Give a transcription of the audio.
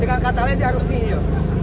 dengan kata lain dia harus pil